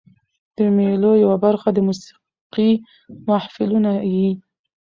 د مېلو یوه برخه د موسیقۍ محفلونه يي.